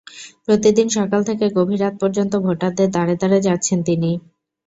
প্রতিদিন সকাল থেকে গভীর রাত পর্যন্ত ভোটারদের দ্বারে দ্বারে যাচ্ছেন তিনি।